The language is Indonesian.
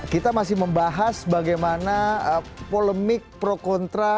kita masih membahas bagaimana polemik pro kontra